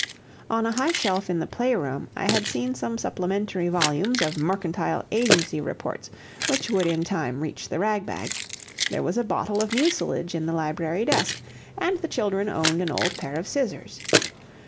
On a high shelf in the playroom I had seen some supplementary volumes of "Mercantile Agency" reports which would in time reach the rag bag; there was a bottle of mucilage in the library desk, and the children owned an old pair of scissors.